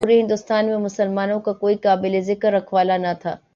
پورے ہندوستان میں مسلمانوں کا کوئی قابل ذکر رکھوالا نہ تھا۔